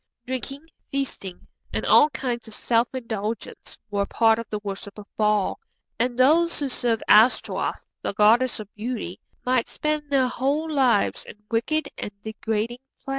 Drinking, feasting, and all kinds of self indulgence were part of the worship of Baal, and those who served Ashtaroth, the goddess of beauty, might spend their whole lives in wicked and degrading pleasures.